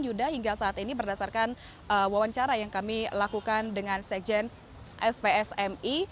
yuda hingga saat ini berdasarkan wawancara yang kami lakukan dengan sekjen fpsmi